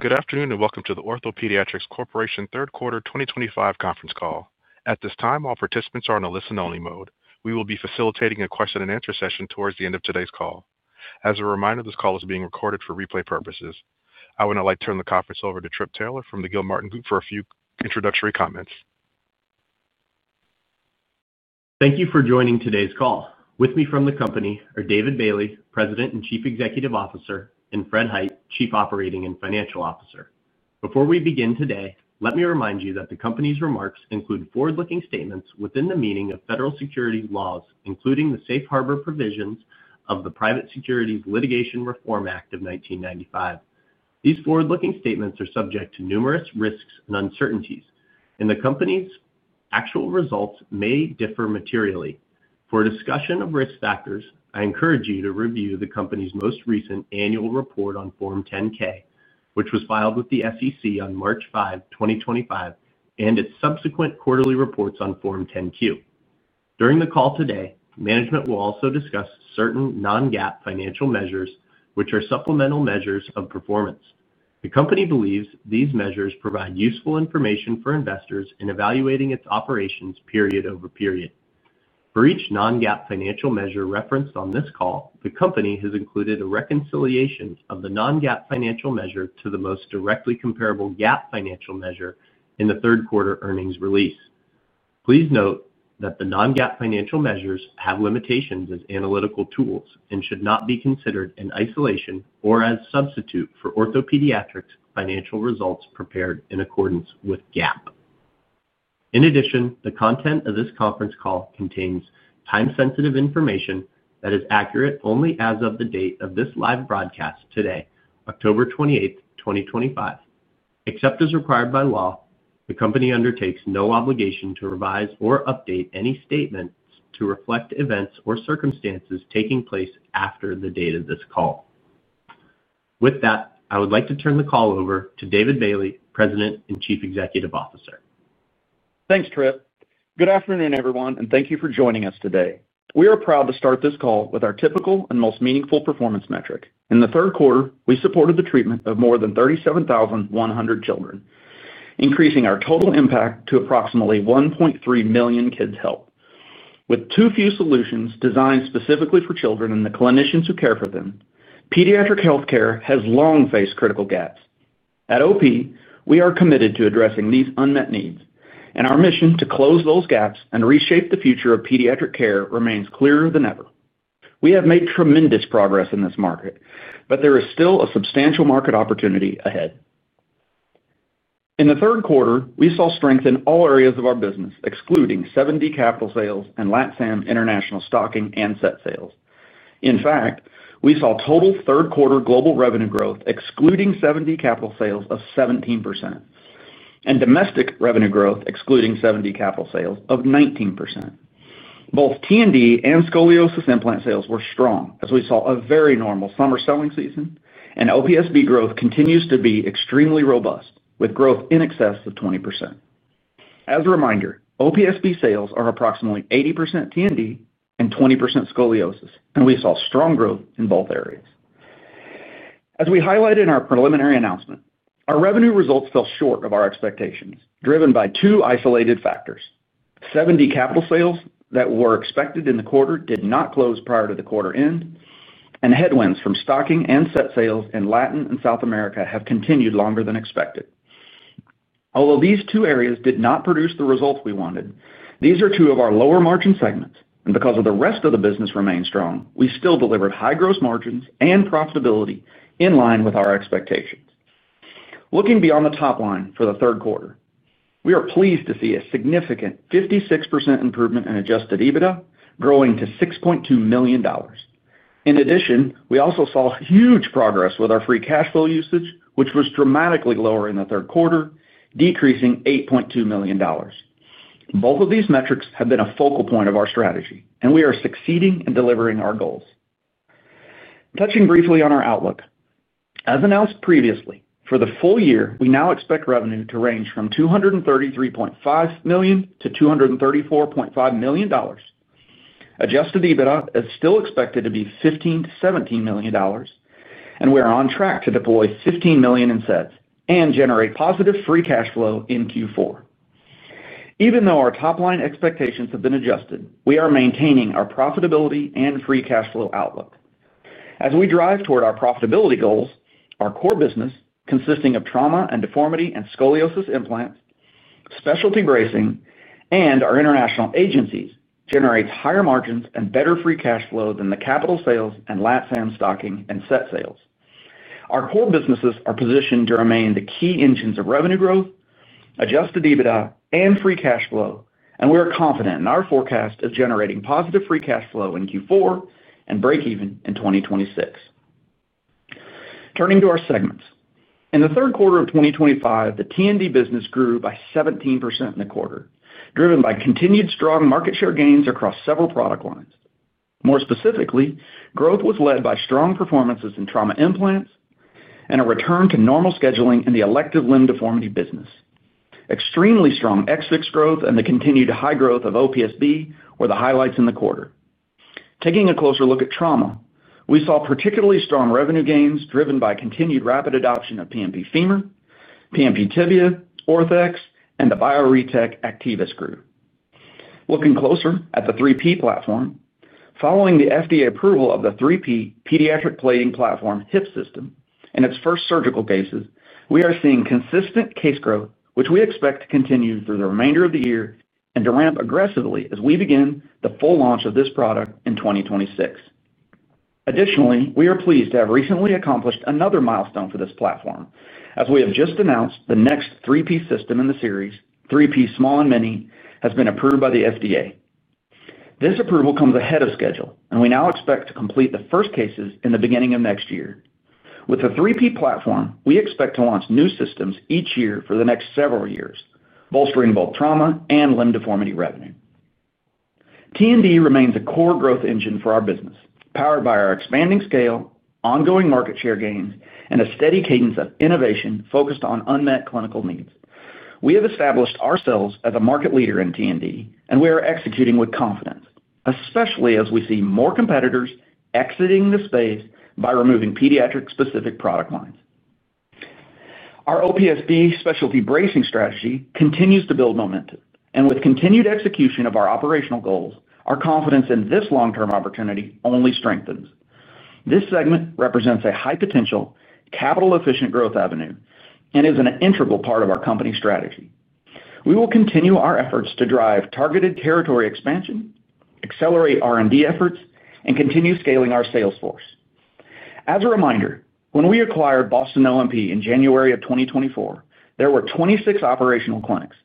Good afternoon and Welcome to the OrthoPediatrics Corp. Third Quarter 2025 Conference Call. At this time, all participants are in a listen-only mode. We will be facilitating a question and answer session towards the end of today's call. As a reminder, this call is being recorded for replay purposes. I would now like to turn the conference over to Trip Taylor from The Gilmartin Group for a few introductory comments. Thank you for joining today's call. With me from the company are David Bailey, President and Chief Executive Officer, and Fred Hite, Chief Operating and Financial Officer. Before we begin today, let me remind you that the company's remarks include forward-looking statements within the meaning of federal securities laws, including the Safe Harbor provisions of the Private Securities Litigation Reform Act of 1995. These forward-looking statements are subject to numerous risks and uncertainties, and the company's actual results may differ materially. For discussion of risk factors, I encourage you to review the company's most recent annual report on Form 10-K, which was filed with the SEC on March 5, 2025, and its subsequent quarterly reports on Form 10-Q. During the call today, management will also discuss certain non-GAAP financial measures, which are supplemental measures of performance. The company believes these measures provide useful information for investors in evaluating its operations period over period. For each non-GAAP financial measure referenced on this call, the company has included a reconciliation of the non-GAAP financial measure to the most directly comparable GAAP financial measure in the third quarter earnings release. Please note that the non-GAAP financial measures have limitations as analytical tools and should not be considered in isolation or as a substitute for OrthoPediatrics' financial results prepared in accordance with GAAP. In addition, the content of this conference call contains time-sensitive information that is accurate only as of the date of this live broadcast today, October 28, 2025. Except as required by law, the company undertakes no obligation to revise or update any statements to reflect events or circumstances taking place after the date of this call. With that, I would like to turn the call over to David Bailey, President and Chief Executive Officer. Thanks, Trip. Good afternoon, everyone, and thank you for joining us today. We are proud to start this call with our typical and most meaningful performance metric. In the third quarter, we supported the treatment of more than 37,100 children, increasing our total impact to approximately 1.3 million kids' health. With too few solutions designed specifically for children and the clinicians who care for them, pediatric healthcare has long faced critical gaps. At OP we are committed to addressing these unmet needs, and our mission to close those gaps and reshape the future of pediatric care remains clearer than ever. We have made tremendous progress in this market, but there is still a substantial market opportunity ahead. In the third quarter, we saw strength in all areas of our business, excluding 7D capital sales and LATSAM international stocking and set sales. In fact, we saw total third quarter global revenue growth, excluding 7D capital sales, of 17%, and domestic revenue growth, excluding 7D capital sales, of 19%. Both T&D and Scoliosis implant sales were strong, as we saw a very normal summer selling season, and OPSB growth continues to be extremely robust, with growth in excess of 20%. As a reminder, OPSB sales are approximately 80% T&D and 20% Scoliosis, and we saw strong growth in both areas. As we highlighted in our preliminary announcement, our revenue results fell short of our expectations, driven by two isolated factors: 7D capital sales that were expected in the quarter did not close prior to the quarter end, and headwinds from stocking and set sales in Latin and South America have continued longer than expected. Although these two areas did not produce the results we wanted, these are two of our lower margin segments, and because the rest of the business remains strong, we still delivered high gross margins and profitability in line with our expectations. Looking beyond the top line for the third quarter, we are pleased to see a significant 56% improvement in adjusted EBITDA, growing to $6.2 million. In addition, we also saw huge progress with our free cash flow usage, which was dramatically lower in the third quarter, decreasing $8.2 million. Both of these metrics have been a focal point of our strategy, and we are succeeding in delivering our goals. Touching briefly on our outlook, as announced previously, for the full year, we now expect revenue to range from $233.5 million-$234.5 million. Adjusted EBITDA is still expected to be $15 million-$17 million, and we are on track to deploy $15 million in sets and generate positive free cash flow in Q4. Even though our top line expectations have been adjusted, we are maintaining our profitability and free cash flow outlook. As we drive toward our profitability goals, our core business, consisting of Trauma and Deformity and Scoliosis implants, specialty bracing, and our international agencies, generates higher margins and better free cash flow than the capital sales and LATSAM stocking and set sales. Our core businesses are positioned to remain the key engines of revenue growth, adjusted EBITDA, and free cash flow, and we are confident in our forecast of generating positive free cash flow in Q4 and breakeven in 2026. Turning to our segments, in the third quarter of 2025, the T&D business grew by 17% in the quarter, driven by continued strong market share gains across several product lines. More specifically, growth was led by strong performances in trauma implants and a return to normal scheduling in the elective limb deformity business. Extremely strong XFIX growth and the continued high growth of OPSB were the highlights in the quarter. Taking a closer look at trauma, we saw particularly strong revenue gains driven by continued rapid adoption of PMP femur, PMP tibia, OrthEx, and the BioRetec Activis group. Looking closer at the 3P platform, following the FDA approval of the 3P Pediatric Plating Platform Hip System in its first surgical cases, we are seeing consistent case growth, which we expect to continue through the remainder of the year and to ramp aggressively as we begin the full launch of this product in 2026. Additionally, we are pleased to have recently accomplished another milestone for this platform, as we have just announced the next 3P system in the series, 3P Small and Mini, has been approved by the FDA. This approval comes ahead of schedule, and we now expect to complete the first cases in the beginning of next year. With the 3P platform, we expect to launch new systems each year for the next several years, bolstering both trauma and limb deformity revenue. T&D remains a core growth engine for our business, powered by our expanding scale, ongoing market share gains, and a steady cadence of innovation focused on unmet clinical needs. We have established ourselves as a market leader in T&D, and we are executing with confidence, especially as we see more competitors exiting the space by removing pediatric-specific product lines. Our OPSB specialty bracing strategy continues to build momentum, and with continued execution of our operational goals, our confidence in this long-term opportunity only strengthens. This segment represents a high-potential, capital-efficient growth avenue and is an integral part of our company strategy. We will continue our efforts to drive targeted territory expansion, accelerate R&D efforts, and continue scaling our sales force. As a reminder, when we acquired Boston O&P in January of 2024, there were 26 operational clinics.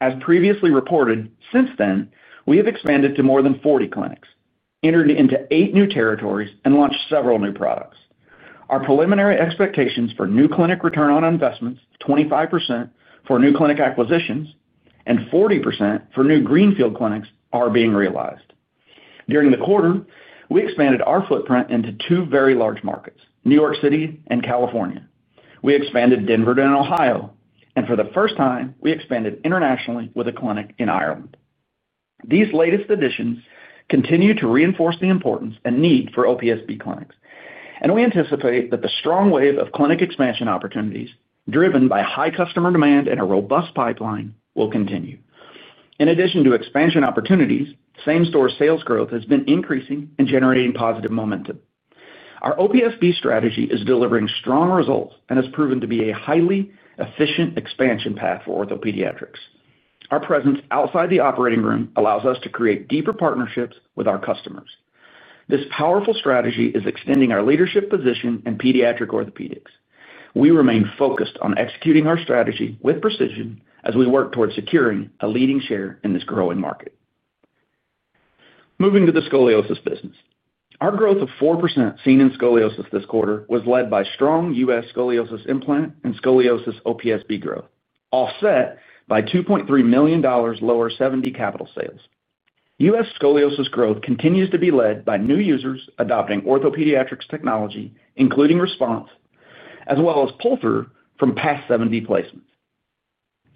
As previously reported, since then, we have expanded to more than 40 clinics, entered into eight new territories, and launched several new products. Our preliminary expectations for new clinic return on investments, 25% for new clinic acquisitions and 40% for new greenfield clinics, are being realized. During the quarter, we expanded our footprint into two very large markets: New York City and California. We expanded Denver and Ohio, and for the first time, we expanded internationally with a clinic in Ireland. These latest additions continue to reinforce the importance and need for OPSB clinics, and we anticipate that the strong wave of clinic expansion opportunities, driven by high customer demand and a robust pipeline, will continue. In addition to expansion opportunities, same-store sales growth has been increasing and generating positive momentum. Our OPSB strategy is delivering strong results and has proven to be a highly efficient expansion path for OrthoPediatrics. Our presence outside the operating room allows us to create deeper partnerships with our customers. This powerful strategy is extending our leadership position in pediatric orthopedics. We remain focused on executing our strategy with precision as we work towards securing a leading share in this growing market. Moving to the Scoliosis business, our growth of 4% seen in Scoliosis this quarter was led by strong U.S. Scoliosis implant and Scoliosis OPSB growth, offset by $2.3 million lower 7D capital sales. U.S. Scoliosis growth continues to be led by new users adopting OrthoPediatrics technology, including Response, as well as pull-through from past 7D placements.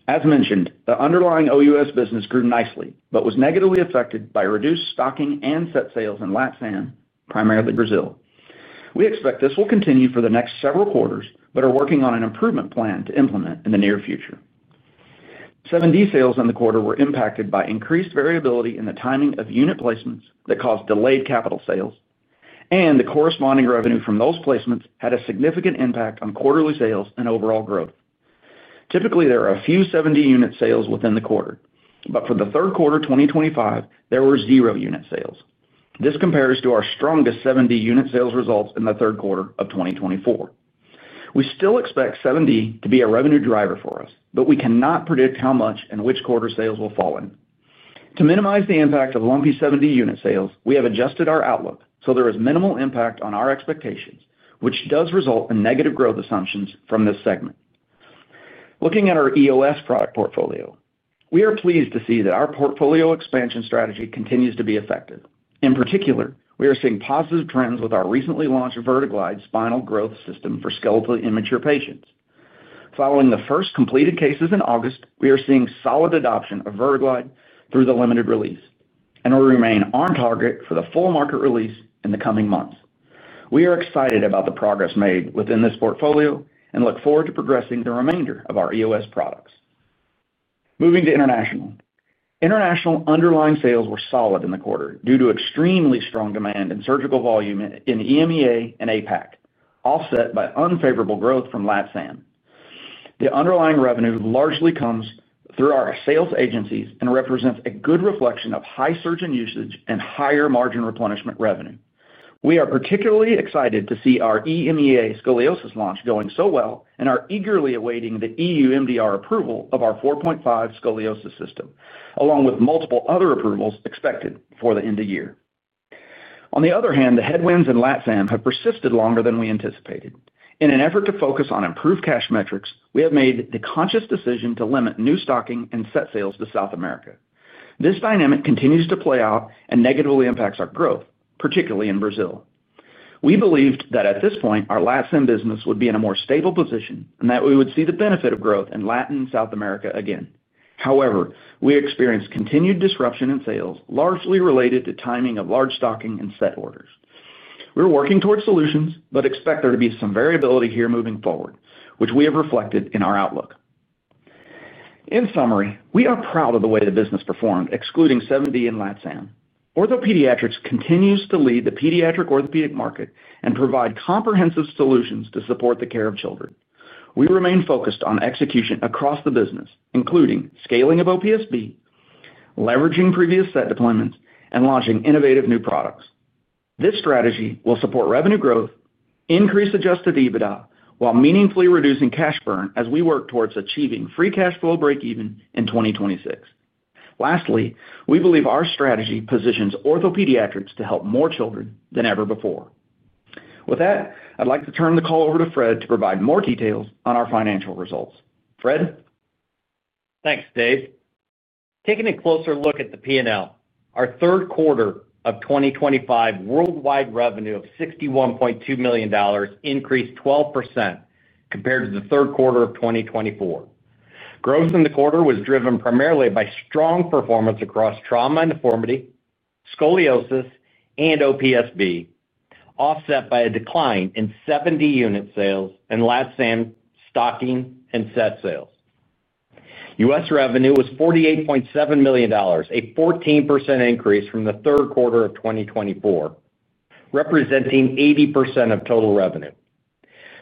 As mentioned, the underlying OUS business grew nicely but was negatively affected by reduced stocking and set sales in LATSAM, primarily Brazil. We expect this will continue for the next several quarters but are working on an improvement plan to implement in the near future. 7D sales in the quarter were impacted by increased variability in the timing of unit placements that caused delayed capital sales, and the corresponding revenue from those placements had a significant impact on quarterly sales and overall growth. Typically, there are a few 7D unit sales within the quarter, but for the third quarter 2025, there were zero unit sales. This compares to our strongest 7D unit sales results in the third quarter of 2024. We still expect 7D to be a revenue driver for us, but we cannot predict how much and which quarter sales will fall in. To minimize the impact of lumpy 7D unit sales, we have adjusted our outlook so there is minimal impact on our expectations, which does result in negative growth assumptions from this segment. Looking at our EOS product portfolio, we are pleased to see that our portfolio expansion strategy continues to be effective. In particular, we are seeing positive trends with our recently launched VerteGlide spinal growth system for skeletally immature patients. Following the first completed cases in August, we are seeing solid adoption of VerteGlide through the limited release and will remain on target for the full market release in the coming months. We are excited about the progress made within this portfolio and look forward to progressing the remainder of our EOS products. Moving to international, international underlying sales were solid in the quarter due to extremely strong demand and surgical volume in EMEA and APAC, offset by unfavorable growth from LATSAM. The underlying revenue largely comes through our sales agencies and represents a good reflection of high surge in usage and higher margin replenishment revenue. We are particularly excited to see our EMEA Scoliosis launch going so well and are eagerly awaiting the EU MDR approval of our 4.5 scoliosis system, along with multiple other approvals expected for the end of the year. On the other hand, the headwinds in LATSAM have persisted longer than we anticipated. In an effort to focus on improved cash metrics, we have made the conscious decision to limit new stocking and set sales to South America. This dynamic continues to play out and negatively impacts our growth, particularly in Brazil. We believed that at this point, our LATSAM business would be in a more stable position and that we would see the benefit of growth in Latin and South America again. However, we experienced continued disruption in sales, largely related to timing of large stocking and set orders. We are working towards solutions, but expect there to be some variability here moving forward, which we have reflected in our outlook. In summary, we are proud of the way the business performed, excluding 7D in LATSAM. OrthoPediatrics continues to lead the pediatric orthopedic market and provide comprehensive solutions to support the care of children. We remain focused on execution across the business, including scaling of OPSB, leveraging previous set deployments, and launching innovative new products. This strategy will support revenue growth, increase adjusted EBITDA, while meaningfully reducing cash burn as we work towards achieving free cash flow breakeven in 2026. Lastly, we believe our strategy positions OrthoPediatrics to help more children than ever before. With that, I'd like to turn the call over to Fred to provide more details on our financial results. Fred? Thanks, Dave. Taking a closer look at the P&L, our third quarter of 2025, worldwide revenue of $61.2 million increased 12% compared to the third quarter of 2024. Growth in the quarter was driven primarily by strong performance across Trauma and Deformity, Scoliosis, and OPSB, offset by a decline in 7D unit sales and LATSAM stocking and set sales. U.S. revenue was $48.7 million, a 14% increase from the third quarter of 2024, representing 80% of total revenue.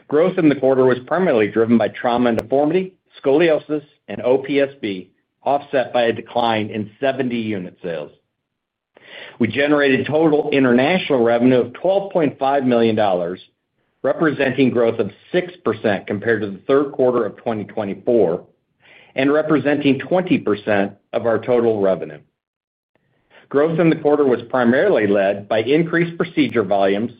Growth in the quarter was primarily driven by Trauma and Deformity, Scoliosis, and OPSB, offset by a decline in 7D unit sales. We generated total international revenue of $12.5 million, representing growth of 6% compared to the third quarter of 2024 and representing 20% of our total revenue. Growth in the quarter was primarily led by increased procedure volumes,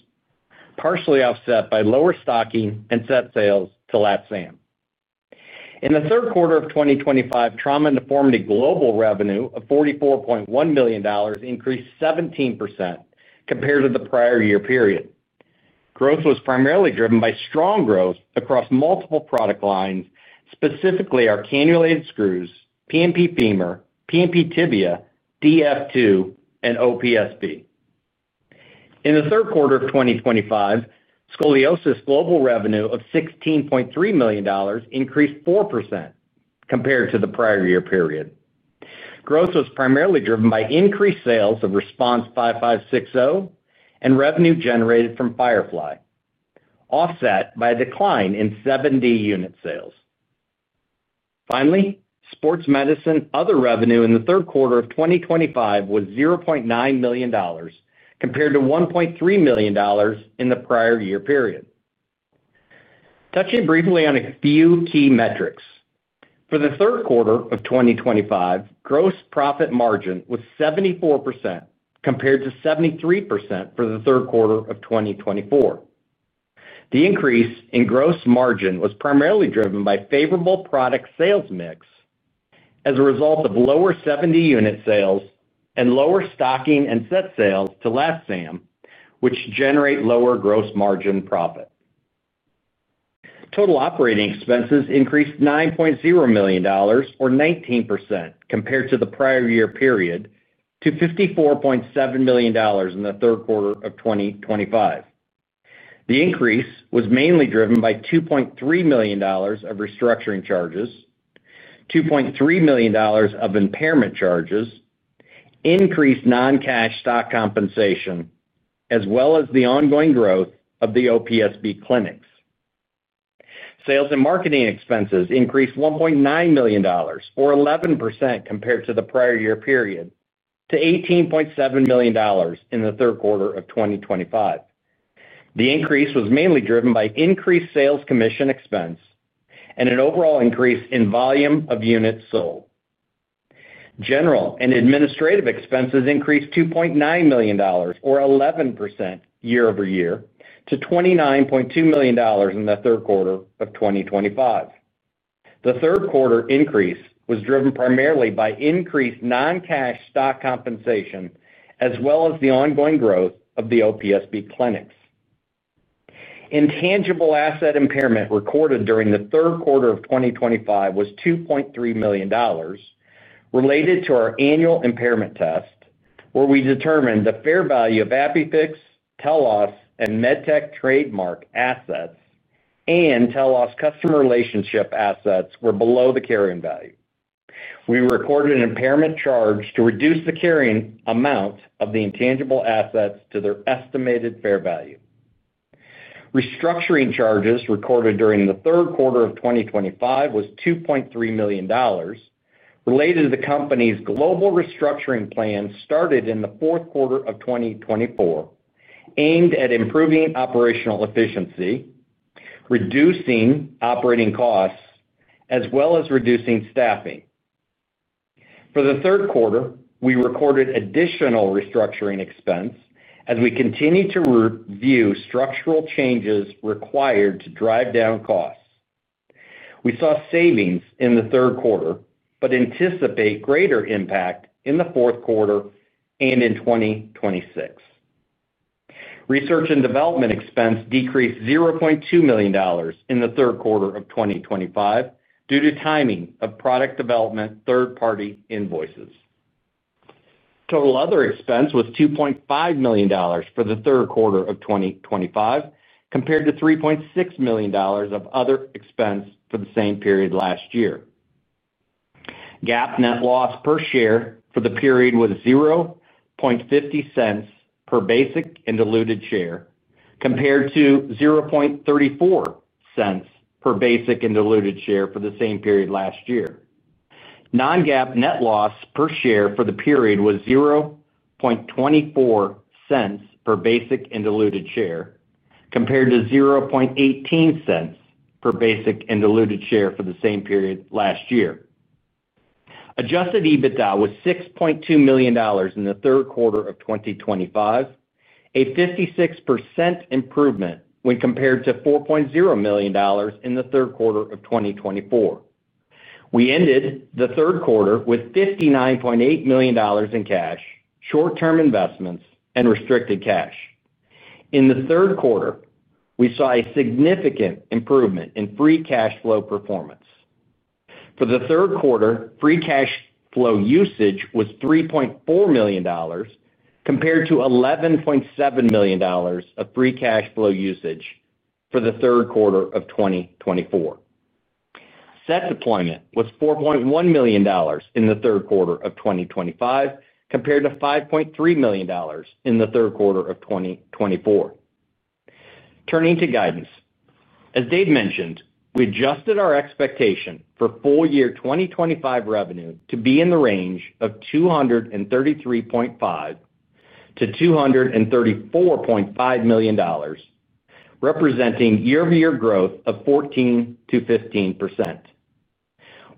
partially offset by lower stocking and set sales to LATSAM. In the third quarter of 2025, Trauma and Deformity global revenue of $44.1 million increased 17% compared to the prior year period. Growth was primarily driven by strong growth across multiple product lines, specifically our cannulated screws, PNP femur, PNP tibia, DF2, and OPSB. In the third quarter of 2025, Scoliosis global revenue of $16.3 million increased 4% compared to the prior year period. Growth was primarily driven by increased sales of RESPONSE 5.5/6.0 and revenue generated from FIREFLY, offset by a decline in 7D unit sales. Finally, Sports Medicine, other revenue in the third quarter of 2025 was $0.9 million compared to $1.3 million in the prior year period. Touching briefly on a few key metrics, for the third quarter of 2025, gross profit margin was 74% compared to 73% for the third quarter of 2024. The increase in gross margin was primarily driven by favorable product sales mix as a result of lower 7D unit sales and lower stocking and set sales to LATSAM, which generate lower gross margin profit. Total operating expenses increased $9.0 million, or 19% compared to the prior year period, to $54.7 million in the third quarter of 2025. The increase was mainly driven by $2.3 million of restructuring charges, $2.3 million of impairment charges, increased non-cash stock compensation, as well as the ongoing growth of the OPSB clinics. Sales and marketing expenses increased $1.9 million, or 11% compared to the prior year period, to $18.7 million in the third quarter of 2025. The increase was mainly driven by increased sales commission expense and an overall increase in volume of units sold. General and administrative expenses increased $2.9 million, or 11% year-over-year, to $29.2 million in the third quarter of 2025. The third quarter increase was driven primarily by increased non-cash stock compensation, as well as the ongoing growth of the OPSB clinics. Intangible asset impairment recorded during the third quarter of 2025 was $2.3 million related to our annual impairment test, where we determined the fair value of ApiFix, TELOS, and MedTech trademark assets, and TELOS customer relationship assets were below the carrying value. We recorded an impairment charge to reduce the carrying amount of the intangible assets to their estimated fair value. Restructuring charges recorded during the third quarter of 2025 was $2.3 million related to the company's global restructuring plan started in the fourth quarter of 2024, aimed at improving operational efficiency, reducing operating costs, as well as reducing staffing. For the third quarter, we recorded additional restructuring expense as we continue to review structural changes required to drive down costs. We saw savings in the third quarter but anticipate greater impact in the fourth quarter and in 2026. Research and development expense decreased $0.2 million in the third quarter of 2025 due to timing of product development third-party invoices. Total other expense was $2.5 million for the third quarter of 2025 compared to $3.6 million of other expense for the same period last year. GAAP net loss per share for the period was $0.50 per basic and diluted share compared to $0.34 per basic and diluted share for the same period last year. Non-GAAP net loss per share for the period was $0.24 per basic and diluted share compared to $0.18 per basic and diluted share for the same period last year. Adjusted EBITDA was $6.2 million in the third quarter of 2025, a 56% improvement when compared to $4.0 million in the third quarter of 2024. We ended the third quarter with $59.8 million in cash, short-term investments, and restricted cash. In the third quarter, we saw a significant improvement in free cash flow performance. For the third quarter, free cash flow usage was $3.4 million compared to $11.7 million of free cash flow usage for the third quarter of 2024. Set deployment was $4.1 million in the third quarter of 2025 compared to $5.3 million in the third quarter of 2024. Turning to guidance, as Dave mentioned, we adjusted our expectation for full-year 2025 revenue to be in the range of $233.5 million-$234.5 million, representing year-over-year growth of 14%-15%.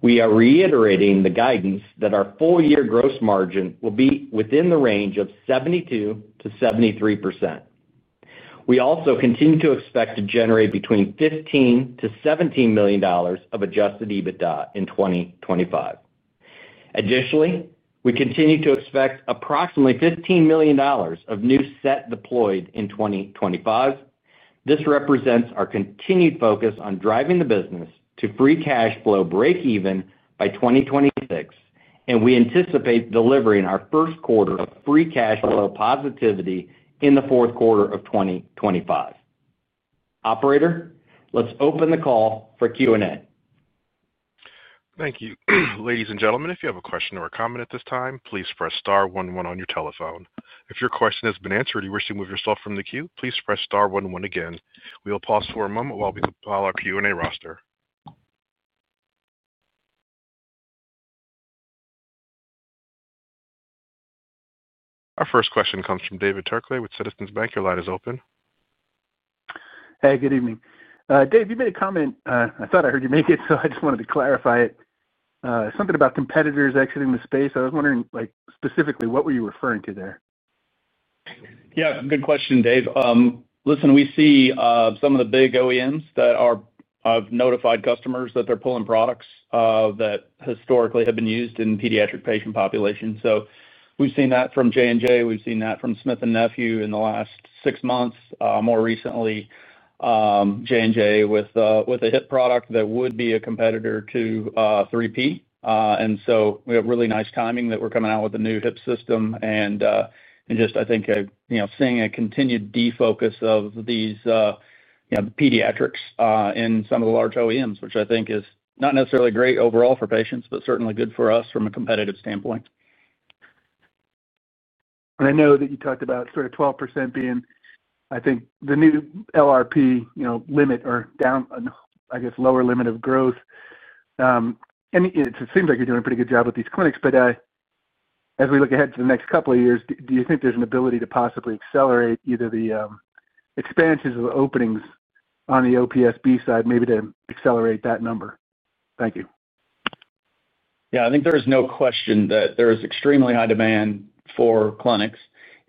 We are reiterating the guidance that our full-year gross margin will be within the range of 72%-73%. We also continue to expect to generate between $15 million-$17 million of adjusted EBITDA in 2025. Additionally, we continue to expect approximately $15 million of new set deployed in 2025. This represents our continued focus on driving the business to free cash flow breakeven by 2026, and we anticipate delivering our first quarter of free cash flow positivity in the fourth quarter of 2025. Operator, let's open the call for Q&A. Thank you. Ladies and gentlemen, if you have a question or a comment at this time, please press star one-one on your telephone. If your question has been answered or you wish to remove yourself from the queue, please press star one-one again. We will pause for a moment while we compile our Q&A roster. Our first question comes from David Turkaly with Citizens Bank. Your line is open. Hey, good evening. Dave, you made a comment. I thought I heard you make it, so I just wanted to clarify it. Something about competitors exiting the space. I was wondering, like specifically, what were you referring to there? Yeah, good question, Dave. Listen, we see some of the big OEMs that have notified customers that they're pulling products that historically have been used in pediatric patient populations. We've seen that from J&J. We've seen that from Smith & Nephew in the last six months. More recently, Johnson & Johnson with a hip product that would be a competitor to 3P. We have really nice timing that we're coming out with a new hip system. I think seeing a continued defocus of pediatrics in some of the large OEMs, which I think is not necessarily great overall for patients, is certainly good for us from a competitive standpoint. I know that you talked about sort of 12% being, I think, the new LRP, you know, limit or down, I guess, lower limit of growth. It seems like you're doing a pretty good job with these clinics. As we look ahead to the next couple of years, do you think there's an ability to possibly accelerate either the expansions or the openings on the OPSB side, maybe to accelerate that number? Thank you. Yeah, I think there is no question that there is extremely high demand for clinics.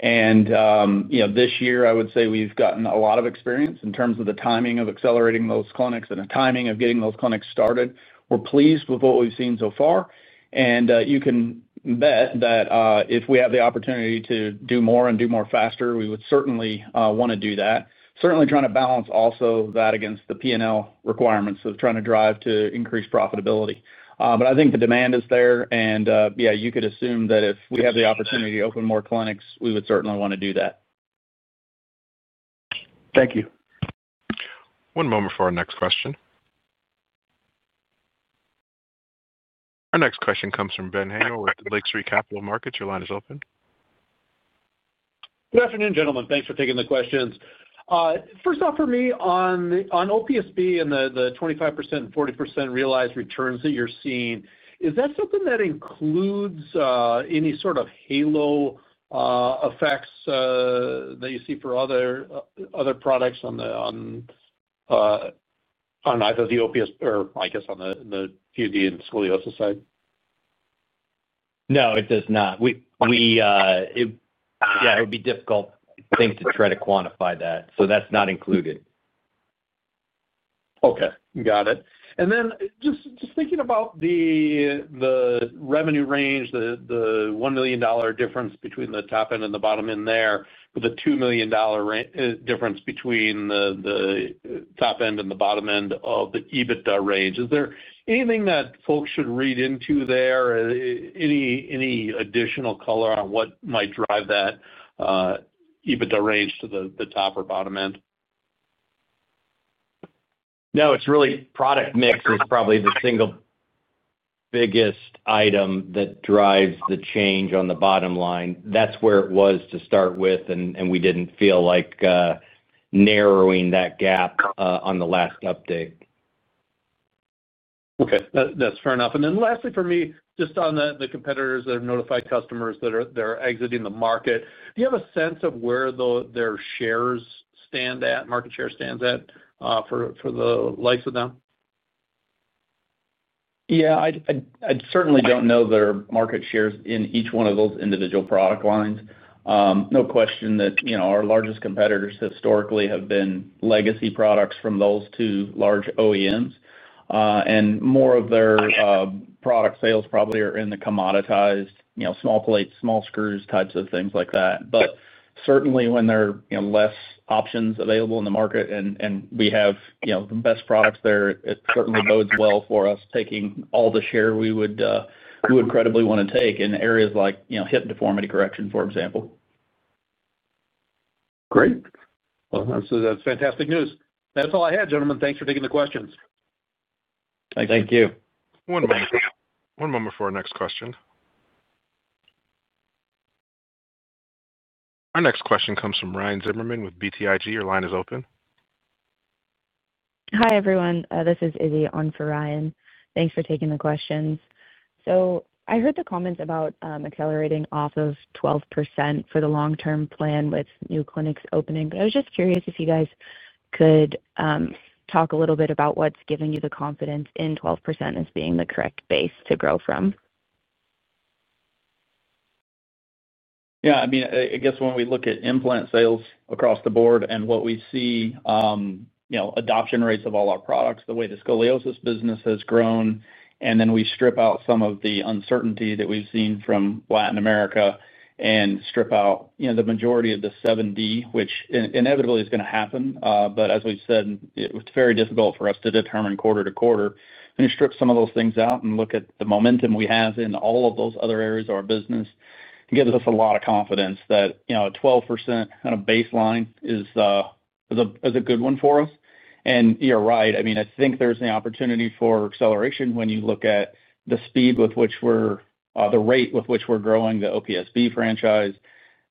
This year, I would say we've gotten a lot of experience in terms of the timing of accelerating those clinics and the timing of getting those clinics started. We're pleased with what we've seen so far. You can bet that if we have the opportunity to do more and do more faster, we would certainly want to do that. We are certainly trying to balance that against the P&L requirements of trying to drive to increase profitability. I think the demand is there. You could assume that if we have the opportunity to open more clinics, we would certainly want to do that. Thank you. One moment for our next question. Our next question comes from Ben Haynor with Lake Street Capital Markets. Your line is open. Good afternoon, gentlemen. Thanks for taking the questions. First off for me, on OPSB and the 25% and 40% realized returns that you're seeing, is that something that includes any sort of halo effects that you see for other products on either the OPSB or, I guess, on the T&D and Scoliosis side? No, it does not. It would be difficult, I think, to try to quantify that. That's not included. Okay. Got it. Just thinking about the revenue range, the $1 million difference between the top end and the bottom end there, but the $2 million difference between the top end and the bottom end of the EBITDA range, is there anything that folks should read into there? Any additional color on what might drive that EBITDA range to the top or bottom end? No, it's really product mix is probably the single biggest item that drives the change on the bottom line. That's where it was to start with, and we didn't feel like narrowing that gap on the last update. Okay. That's fair enough. Lastly for me, just on the competitors that have notified customers that are exiting the market, do you have a sense of where their market share stands for the likes of them? I certainly don't know their market shares in each one of those individual product lines. No question that our largest competitors historically have been legacy products from those two large OEMs. More of their product sales probably are in the commoditized, you know, small plates, small screws, types of things like that. Certainly, when there are less options available in the market and we have the best products there, it certainly bodes well for us taking all the share we would credibly want to take in areas like hip deformity correction, for example. Great. That's fantastic news. That's all I had, gentlemen. Thanks for taking the questions. Thank you. Thank you. One moment for our next question. Our next question comes from Ryan Zimmerman with BTIG. Your line is open. Hi, everyone. This is Izzy on for Ryan. Thanks for taking the questions. I heard the comments about accelerating off of 12% for the long-term plan with new clinics opening. I was just curious if you guys could talk a little bit about what's giving you the confidence in 12% as being the correct base to grow from. Yeah, I mean, I guess when we look at implant sales across the board and what we see, you know, adoption rates of all our products, the way the Scoliosis business has grown, and then we strip out some of the uncertainty that we've seen from Latin and South America and strip out, you know, the majority of the 7D, which inevitably is going to happen. As we've said, it's very difficult for us to determine quarter to quarter. When you strip some of those things out and look at the momentum we have in all of those other areas of our business, it gives us a lot of confidence that, you know, a 12% kind of baseline is a good one for us. You're right. I mean, I think there's an opportunity for acceleration when you look at the speed with which we're, the rate with which we're growing the OPSB franchise.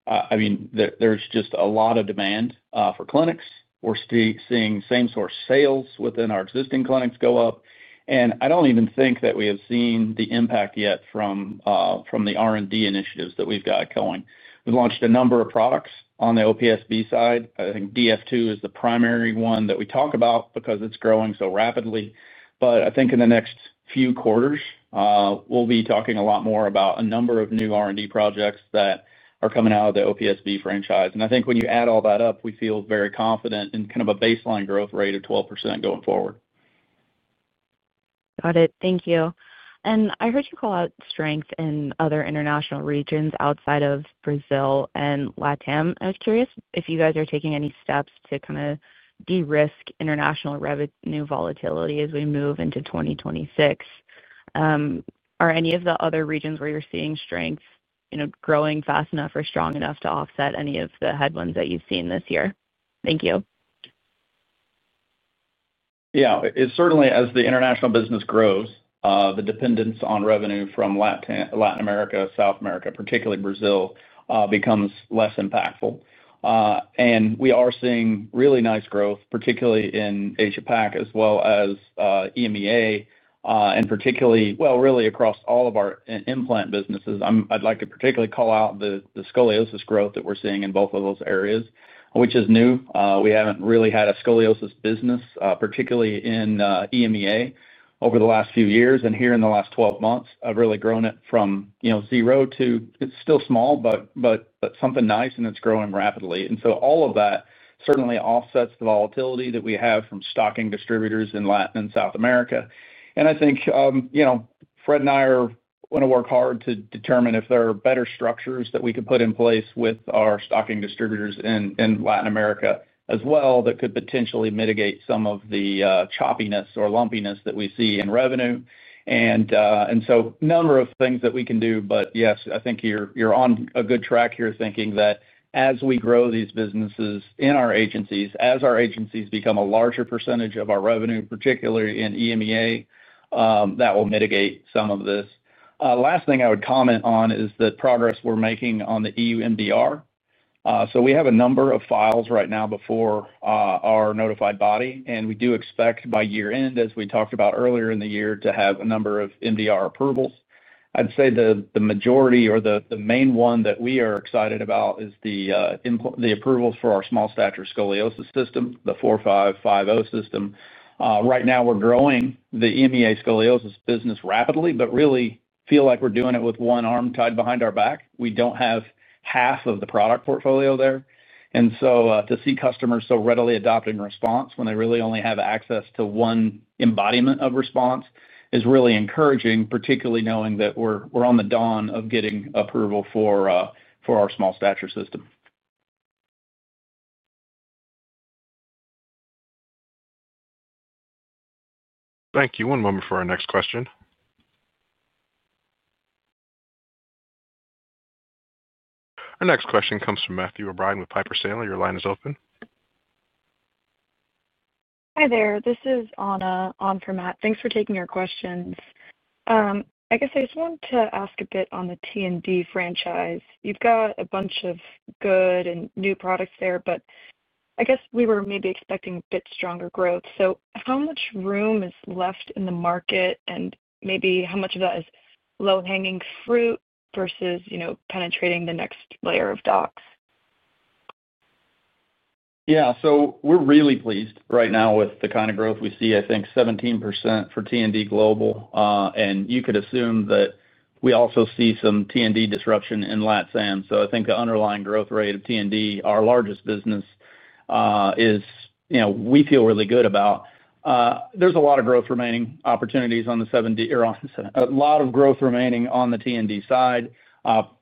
I mean, there's just a lot of demand for clinics. We're seeing same-source sales within our existing clinics go up. I don't even think that we have seen the impact yet from the R&D initiatives that we've got going. We've launched a number of products on the OPSB side. I think DF2 is the primary one that we talk about because it's growing so rapidly. I think in the next few quarters, we'll be talking a lot more about a number of new R&D projects that are coming out of the OPSB franchise. I think when you add all that up, we feel very confident in kind of a baseline growth rate of 12% going forward. Got it. Thank you. I heard you call out strength in other international regions outside of Brazil and LATSAM. I was curious if you guys are taking any steps to kind of de-risk international revenue volatility as we move into 2026. Are any of the other regions where you're seeing strength growing fast enough or strong enough to offset any of the headwinds that you've seen this year? Thank you. Yeah, as the international business grows, the dependence on revenue from Latin America, South America, particularly Brazil, becomes less impactful. We are seeing really nice growth, particularly in APAC, as well as EMEA, and really across all of our implant businesses. I'd like to particularly call out the scoliosis growth that we're seeing in both of those areas, which is new. We haven't really had a Scoliosis business, particularly in EMEA over the last few years. In the last 12 months, I've really grown it from zero to, it's still small, but something nice, and it's growing rapidly. All of that certainly offsets the volatility that we have from stocking distributors in Latin and South America. I think Fred and I are going to work hard to determine if there are better structures that we could put in place with our stocking distributors in Latin America as well that could potentially mitigate some of the choppiness or lumpiness that we see in revenue. There are a number of things that we can do. Yes, I think you're on a good track here thinking that as we grow these businesses in our agencies, as our agencies become a larger percentage of our revenue, particularly in EMEA, that will mitigate some of this. The last thing I would comment on is the progress we're making on the EU MDR. We have a number of files right now before our notified body. We do expect by year-end, as we talked about earlier in the year, to have a number of MDR approvals. I'd say the majority or the main one that we are excited about is the approvals for our small stature scoliosis system, the 4.5/5.0 system. Right now, we're growing the EMEA Scoliosis business rapidly, but really feel like we're doing it with one arm tied behind our back. We don't have half of the product portfolio there. To see customers so readily adopting Response when they really only have access to one embodiment of Response is really encouraging, particularly knowing that we're on the dawn of getting approval for our small stature system. Thank you. One moment for our next question. Our next question comes from Matthew O'Brien with Piper Sandler. Your line is open. Hi there. This is Anna on for Matt. Thanks for taking our questions. I just wanted to ask a bit on the T&D franchise. You've got a bunch of good and new products there, but we were maybe expecting a bit stronger growth. How much room is left in the market, and how much of that is low-hanging fruit versus penetrating the next layer of docs? Yeah, so we're really pleased right now with the kind of growth we see. I think 17% for T&D Global, and you could assume that we also see some T&D disruption in LATSAM. I think the underlying growth rate of T&D, our largest business, is, you know, we feel really good about. There's a lot of growth remaining opportunities on the 7D or a lot of growth remaining on the T&D side.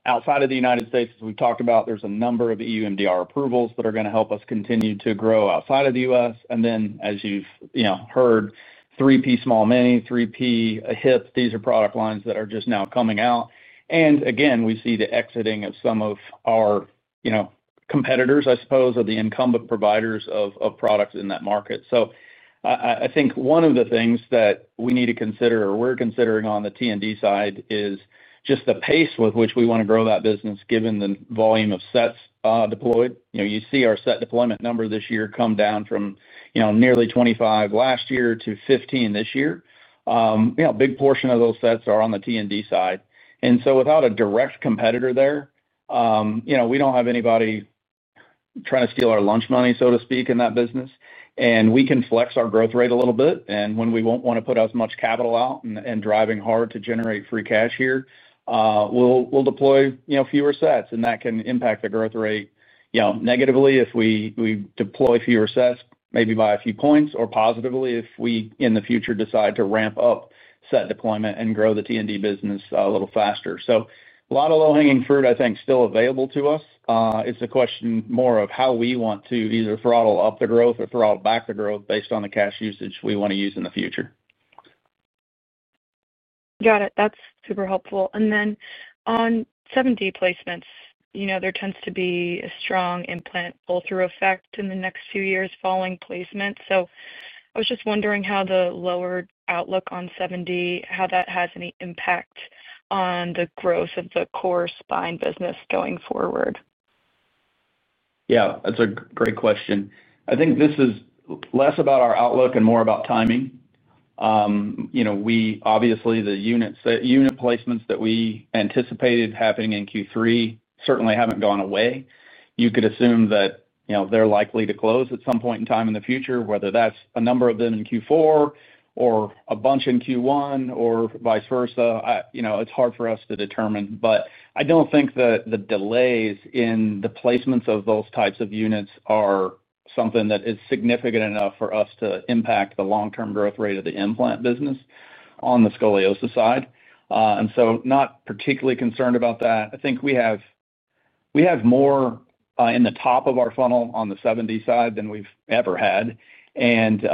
Outside of the United States, as we've talked about, there's a number of EU MDR approvals that are going to help us continue to grow outside of the U.S. As you've, you know, heard, 3P Small and Mini, 3P Hip, these are product lines that are just now coming out. Again, we see the exiting of some of our, you know, competitors, I suppose, of the incumbent providers of products in that market. I think one of the things that we need to consider or we're considering on the T&D side is just the pace with which we want to grow that business given the volume of sets deployed. You know, you see our set deployment number this year come down from, you know, nearly 25 last year to 15 this year. You know, a big portion of those sets are on the T&D side. Without a direct competitor there, you know, we don't have anybody trying to steal our lunch money, so to speak, in that business. We can flex our growth rate a little bit. When we won't want to put as much capital out and driving hard to generate free cash here, we'll deploy, you know, fewer sets. That can impact the growth rate, you know, negatively if we deploy fewer sets, maybe by a few points, or positively if we, in the future, decide to ramp up set deployment and grow the T&D business a little faster. A lot of low-hanging fruit, I think, still available to us. It's a question more of how we want to either throttle up the growth or throttle back the growth based on the cash usage we want to use in the future. Got it. That's super helpful. On 7D placements, there tends to be a strong implant pull-through effect in the next few years following placement. I was just wondering how the lowered outlook on 7D, how that has any impact on the growth of the core spine business going forward. Yeah, that's a great question. I think this is less about our outlook and more about timing. We obviously, the unit placements that we anticipated happening in Q3 certainly haven't gone away. You could assume that they're likely to close at some point in time in the future, whether that's a number of them in Q4 or a bunch in Q1 or vice versa. It's hard for us to determine. I don't think that the delays in the placements of those types of units are something that is significant enough for us to impact the long-term growth rate of the implant business on the Scoliosis side, so not particularly concerned about that. I think we have more in the top of our funnel on the 7D side than we've ever had, and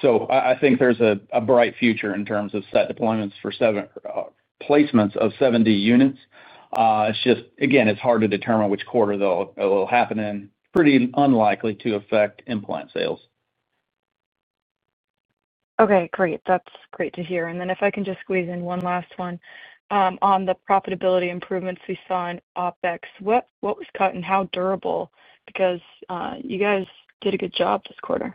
so I think there's a bright future in terms of set deployments for seven, placements of 7D units. It's just, again, it's hard to determine which quarter they'll happen in. Pretty unlikely to affect implant sales. Okay. Great. That's great to hear. If I can just squeeze in one last one, on the profitability improvements we saw in OpEx, what was cut and how durable? You guys did a good job this quarter.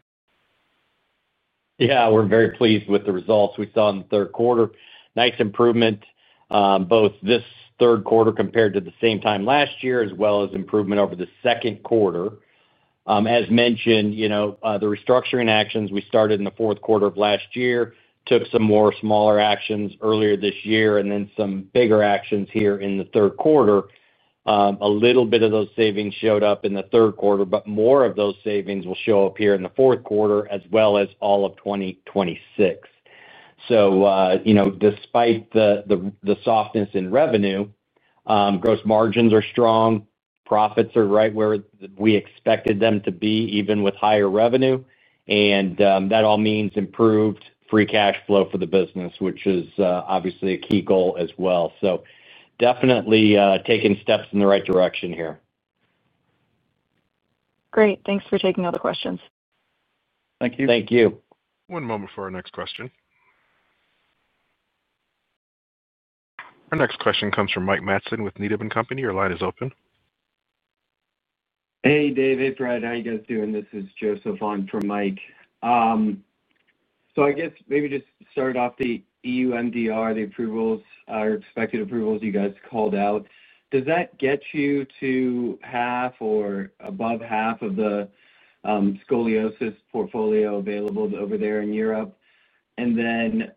Yeah, we're very pleased with the results we saw in the third quarter. Nice improvement, both this third quarter compared to the same time last year, as well as improvement over the second quarter. As mentioned, the restructuring actions we started in the fourth quarter of last year took some more smaller actions earlier this year and then some bigger actions here in the third quarter. A little bit of those savings showed up in the third quarter, but more of those savings will show up here in the fourth quarter, as well as all of 2026. Despite the softness in revenue, gross margins are strong. Profits are right where we expected them to be, even with higher revenue. That all means improved free cash flow for the business, which is obviously a key goal as well. Definitely taking steps in the right direction here. Great. Thanks for taking all the questions. Thank you. Thank you. One moment for our next question. Our next question comes from Mike Matson with Needham & Company. Your line is open. Hey, David. Fred, how are you guys doing? This is Joseph on for Mike. I guess maybe just start off the EU MDR, the approvals, or expected approvals you guys called out. Does that get you to half or above half of the Scoliosis portfolio available over there in Europe? Then,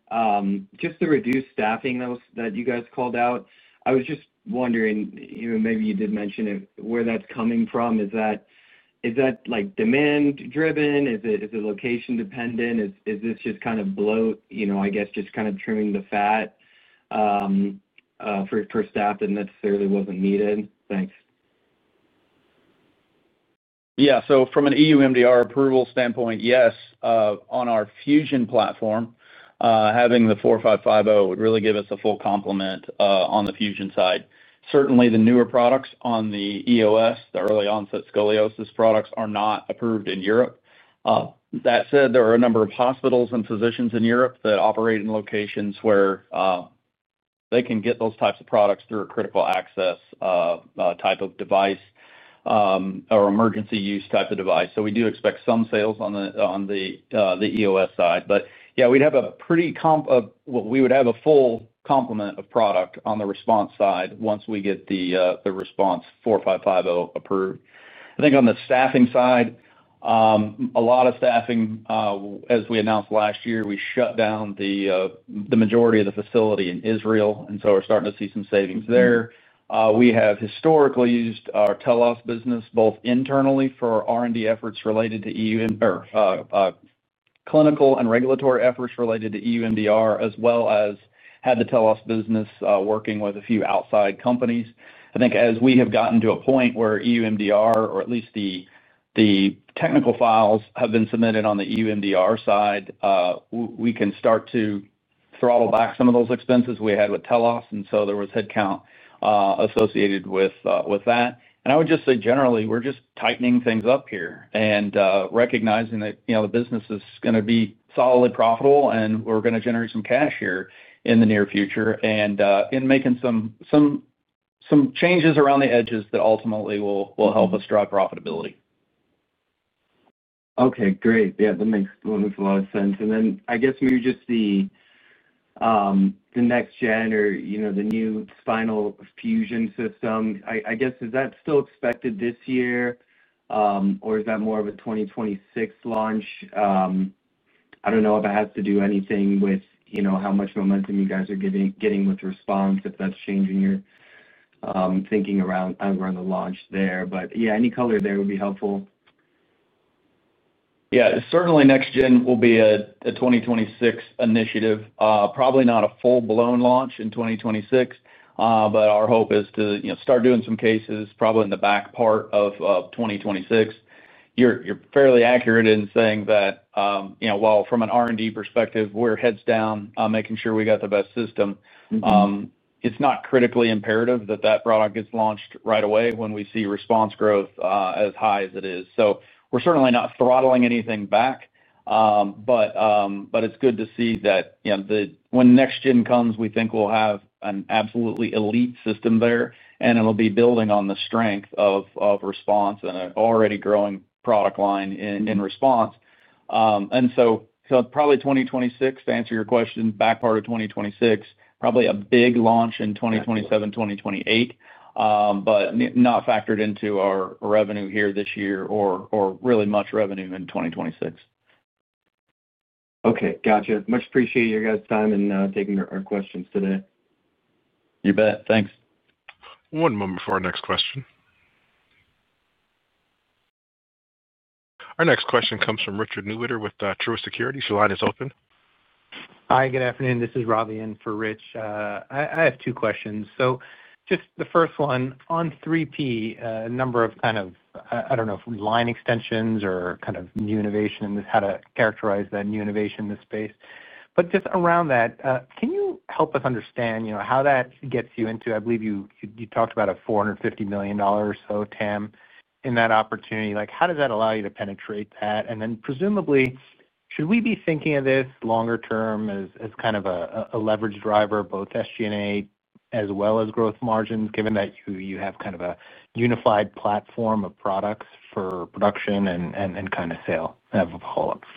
just the reduced staffing that you guys called out, I was just wondering, you know, maybe you did mention it, where that's coming from. Is that, is that like demand-driven? Is it, is it location-dependent? Is this just kind of bloat? I guess just kind of trimming the fat, for staff that necessarily wasn't needed? Thanks. Yeah. From an EU MDR approval standpoint, yes, on our Fusion platform, having the 4.5/5.0 would really give us a full complement on the Fusion side. Certainly, the newer products on the EOS, the early-onset scoliosis products, are not approved in Europe. That said, there are a number of hospitals and physicians in Europe that operate in locations where they can get those types of products through a critical access type of device or emergency use type of device. We do expect some sales on the EOS side. We'd have a pretty comp of what we would have, a full complement of product on the Response side once we get the Response 4.5/5.0 approved. I think on the staffing side, as we announced last year, we shut down the majority of the facility in Israel, and we're starting to see some savings there. We have historically used our TELOS business both internally for R&D efforts related to EU or clinical and regulatory efforts related to EU MDR, as well as had the TELOS business working with a few outside companies. I think as we have gotten to a point where EU MDR, or at least the technical files, have been submitted on the EU MDR side, we can start to throttle back some of those expenses we had with TELOS. There was headcount associated with that. I would just say generally, we're tightening things up here and recognizing that the business is going to be solidly profitable, and we're going to generate some cash here in the near future, making some changes around the edges that ultimately will help us drive profitability. Okay. Great. Yeah, that makes a lot of sense. I guess maybe just the next gen or, you know, the new spinal fusion system, is that still expected this year, or is that more of a 2026 launch? I don't know if it has to do anything with how much momentum you guys are getting with Response, if that's changing your thinking around the launch there. Yeah, any color there would be helpful. Yeah, certainly next gen will be a 2026 initiative. Probably not a full-blown launch in 2026, but our hope is to start doing some cases probably in the back part of 2026. You're fairly accurate in saying that while from an R&D perspective, we're heads down, making sure we got the best system, it's not critically imperative that that product gets launched right away when we see Response growth as high as it is. We're certainly not throttling anything back, but it's good to see that when the next gen comes, we think we'll have an absolutely elite system there, and it'll be building on the strength of Response and an already growing product line in Response. Probably 2026, to answer your question, back part of 2026, probably a big launch in 2027, 2028, but not factored into our revenue here this year or really much revenue in 2026. Okay. Gotcha. Much appreciate your guys' time and taking our questions today. You bet. Thanks. One moment for our next question. Our next question comes from Richard Newitter with Truist Securities. Your line is open. Hi, good afternoon. This is Robbie in for Rich. I have two questions. Just the first one, on 3P, a number of kind of, I don't know if line extensions or kind of new innovation and how to characterize that new innovation in this space. Just around that, can you help us understand how that gets you into, I believe you talked about a $450 million or so TAM in that opportunity. How does that allow you to penetrate that? Presumably, should we be thinking of this longer term as kind of a leverage driver, both SG&A as well as gross margins, given that you have kind of a unified platform of products for production and kind of sale of products?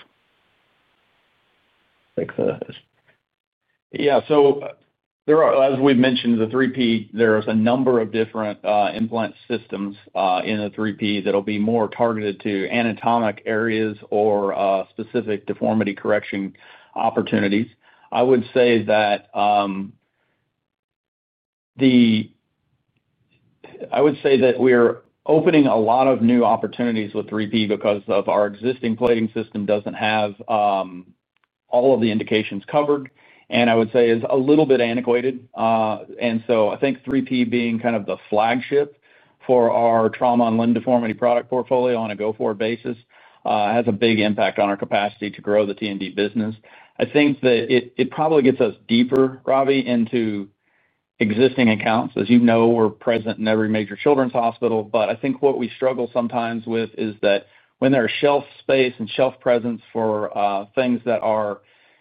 Yeah. As we've mentioned, the 3P, there's a number of different implant systems in the 3P that will be more targeted to anatomic areas or specific deformity correction opportunities. I would say that we are opening a lot of new opportunities with 3P because our existing plating system doesn't have all of the indications covered, and I would say is a little bit antiquated. I think 3P, being kind of the flagship for our Trauma and Deformity product portfolio on a go-forward basis, has a big impact on our capacity to grow the T&D business. I think that it probably gets us deeper, Robbie, into existing accounts. As you know, we're present in every major children's hospital. What we struggle sometimes with is that when there's shelf space and shelf presence for things that are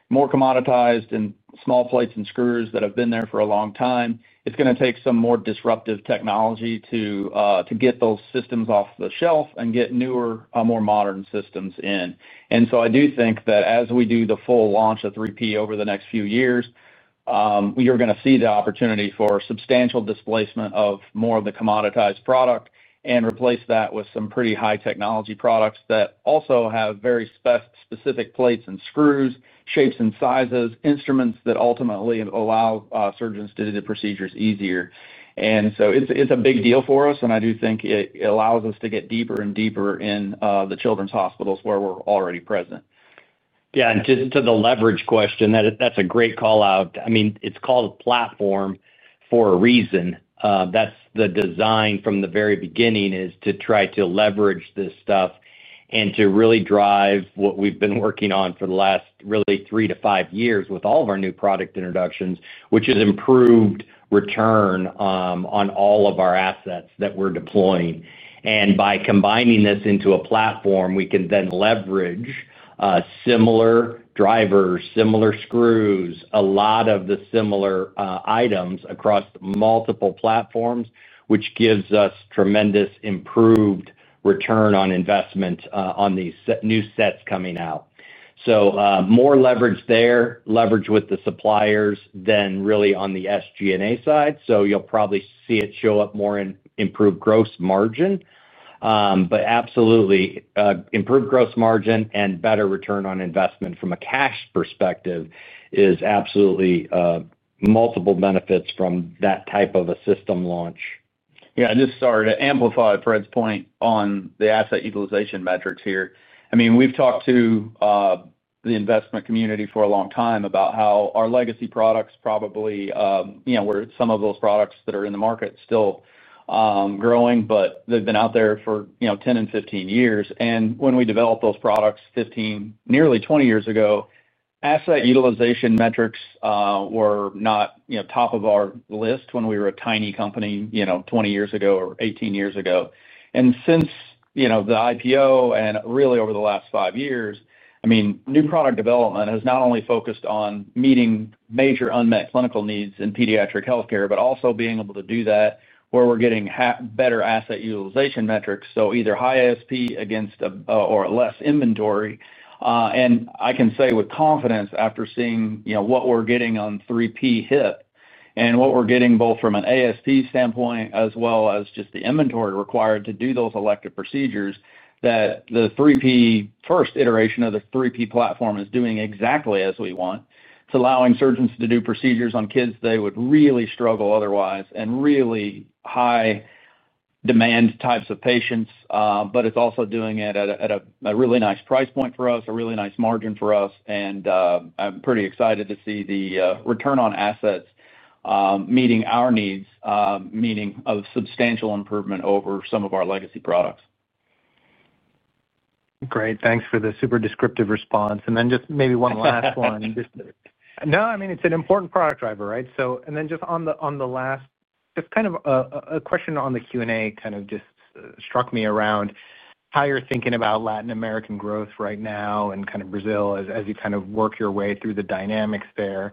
more commoditized and small plates and screws that have been there for a long time, it's going to take some more disruptive technology to get those systems off the shelf and get newer, more modern systems in. I do think that as we do the full launch of 3P over the next few years, you're going to see the opportunity for substantial displacement of more of the commoditized product and replace that with some pretty high-technology products that also have very specific plates and screws, shapes and sizes, instruments that ultimately allow surgeons to do the procedures easier. It's a big deal for us, and I do think it allows us to get deeper and deeper in the children's hospitals where we're already present. Yeah. Just to the leverage question, that's a great call out. I mean, it's called a platform for a reason. That's the design from the very beginning, to try to leverage this stuff and to really drive what we've been working on for the last really three to five years with all of our new product introductions, which has improved return on all of our assets that we're deploying. By combining this into a platform, we can then leverage similar drivers, similar screws, a lot of the similar items across multiple platforms, which gives us tremendous improved return on investment on these new sets coming out. More leverage there, leverage with the suppliers, than really on the SG&A side. You'll probably see it show up more in improved gross margin, but absolutely, improved gross margin and better return on investment from a cash perspective is absolutely multiple benefits from that type of a system launch. Yeah, sorry to amplify Fred Hite's point on the asset utilization metrics here. I mean, we've talked to the investment community for a long time about how our legacy products probably, you know, were some of those products that are in the market still, growing, but they've been out there for, you know, 10 years and 15 years. When we developed those products 15 years, nearly 20 years ago, asset utilization metrics were not, you know, top of our list when we were a tiny company, you know, 20 years ago or 18 years ago. Since the IPO and really over the last five years, I mean, new product development has not only focused on meeting major unmet clinical needs in pediatric healthcare, but also being able to do that where we're getting better asset utilization metrics. Either high ASP against a or less inventory. I can say with confidence after seeing, you know, what we're getting on 3P Hip and what we're getting both from an ASP standpoint as well as just the inventory required to do those elective procedures that the first iteration of the 3P platform is doing exactly as we want. It's allowing surgeons to do procedures on kids they would really struggle otherwise and really high-demand types of patients. It's also doing it at a really nice price point for us, a really nice margin for us. I'm pretty excited to see the return on assets, meeting our needs, meaning a substantial improvement over some of our legacy products. Great. Thanks for the super descriptive response. It's an important product driver, right? Just on the last, kind of a question on the Q&A, it just struck me around how you're thinking about Latin American growth right now and Brazil as you work your way through the dynamics there.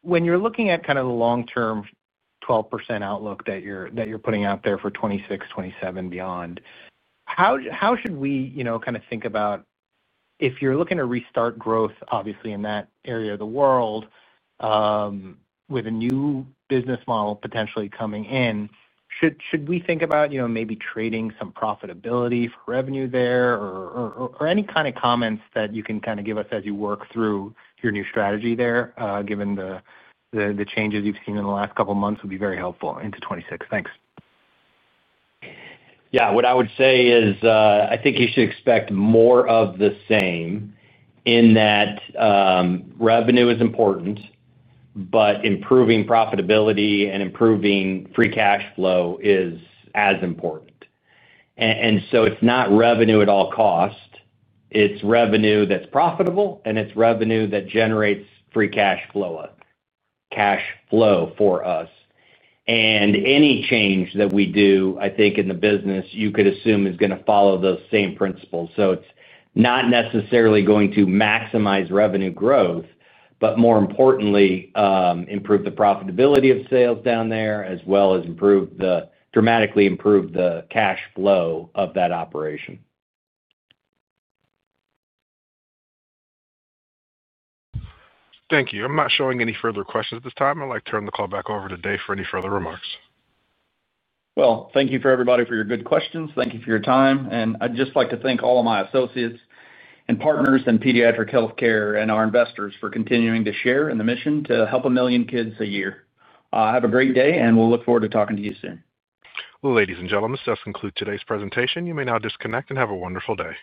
When you're looking at the long-term 12% outlook that you're putting out there for 2026, 2027 and beyond, how should we think about if you're looking to restart growth, obviously, in that area of the world, with a new business model potentially coming in? Should we think about maybe trading some profitability for revenue there or any kind of comments that you can give us as you work through your new strategy there, given the changes you've seen in the last couple of months would be very helpful into 2026. Thanks. What I would say is, I think you should expect more of the same in that revenue is important, but improving profitability and improving free cash flow is as important. It is not revenue at all costs. It is revenue that's profitable, and it's revenue that generates free cash flow for us. Any change that we do, I think, in the business, you could assume is going to follow those same principles. It is not necessarily going to maximize revenue growth, but more importantly, improve the profitability of sales down there, as well as dramatically improve the cash flow of that operation. Thank you. I'm not showing any further questions at this time. I'd like to turn the call back over to Dave for any further remarks. Thank you for everybody for your good questions. Thank you for your time. I'd just like to thank all of my associates and partners in pediatric healthcare and our investors for continuing to share in the mission to help a million kids a year. Have a great day, and we'll look forward to talking to you soon. Ladies and gentlemen, this does conclude today's presentation. You may now disconnect and have a wonderful day.